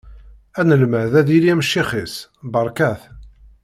Anelmad ad yili am ccix-is, beṛka-t.